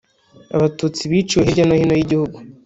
Abatutsi biciwe hirya no hino y’i gihugu